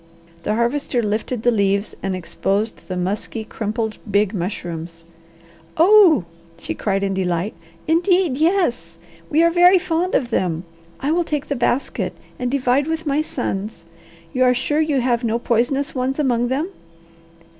The Harvester lifted the leaves and exposed the musky, crimpled, big mushrooms. "Oh!" she cried in delight. "Indeed, yes! We are very fond of them. I will take the basket, and divide with my sons. You are sure you have no poisonous ones among them?"